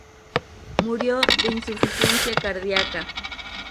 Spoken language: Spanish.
Murió de insuficiencia cardiaca.